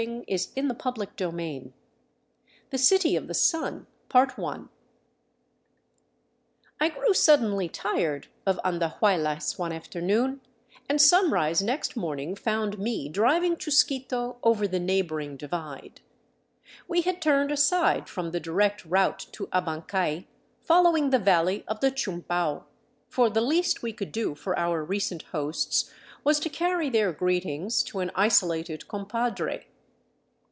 404 i CHAPTER XVI THE CITY OF THE SUN I GREW suddenly tired of Andahuaylas one afternoon, and sunrise next morning found me driving Chusquito over the neighboring divide. We had turned aside from the direct route to Abancay, following the valley of the Chumbau, for the least we could do for our recent hosts was to carry their greetings to an isolated compadre.